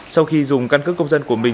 sau khi dùng căn cứ công dân của mình